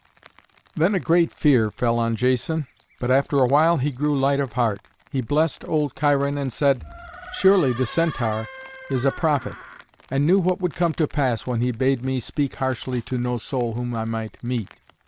Then a great fear fell on Jason, but after a while he grew light of heart. He blessed old Cheiron and said, "Surely the Centaur is a prophet and knew what would come to pass when he bade me speak harshly to no soul whom I might meet."